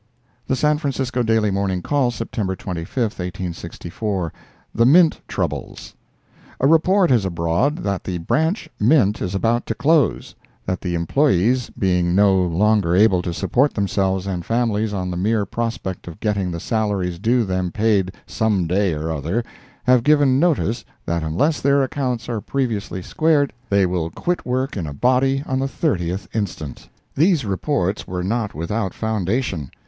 The San Francisco Daily Morning Call, September 25, 1864 THE MINT TROUBLES A report is abroad that the Branch Mint is about to close—that the employees, being no longer able to support themselves and families on the mere prospect of getting the salaries due them paid some day or other, have given notice that unless their accounts are previously squared, they will quit work in a body on the 30th instant. These reports were not without foundation.